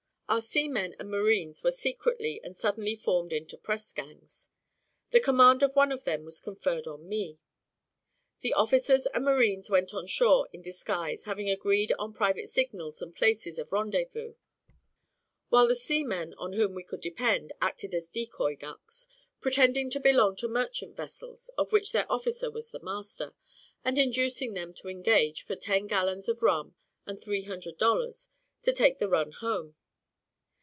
Our seamen and marines were secretly and suddenly formed into press gangs. The command of one of them was conferred on me. The officers and marines went on shore in disguise, having agreed on private signals and places of rendezvous; while the seamen on whom we could depend, acted as decoy ducks, pretending to belong to merchant vessels, of which their officer was the master, and inducing them to engage, for ten gallons of rum and three hundred dollars, to take the run home.